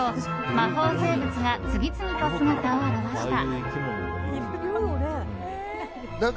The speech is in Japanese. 魔法生物が次々と姿を現した。